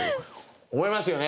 思いますよね！